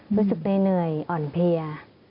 รู้สึกเหนื่อยอ่อนเพลีย